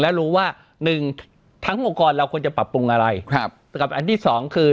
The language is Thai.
และรู้ว่าหนึ่งทั้งองค์กรเราควรจะปรับปรุงอะไรครับกับอันที่สองคือ